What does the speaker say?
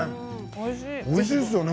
おいしいですよね